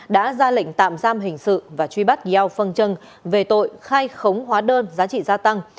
đã ra lệnh tạm giam hình sự và truy bắt giao phân chân về tội khai khống hóa đơn giá trị gia tăng